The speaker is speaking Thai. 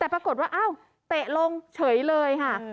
แต่ปรากฏว่าอ้าวเตะลงเฉยเลยค่ะ